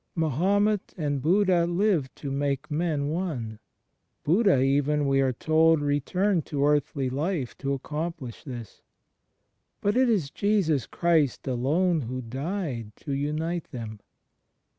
Mahomet and Buddha lived to make men one: Buddha even, we are told, returned to earthly life to accomplish this. But it is Jesus Christ alone who died to unite them.